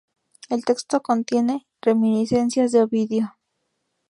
El texto contiene reminiscencias de Ovidio.